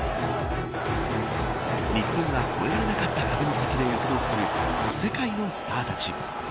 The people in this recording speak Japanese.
日本が越えられなかった壁の先で躍動する世界のスターたち。